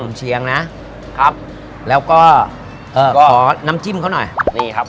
เชียงนะครับแล้วก็เอ่อก็ขอน้ำจิ้มเขาหน่อยนี่ครับ